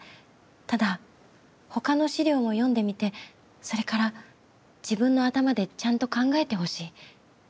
ただほかの資料も読んでみてそれから自分の頭でちゃんと考えてほしい。